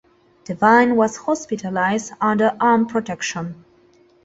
Devine was hospitalised under armed protection.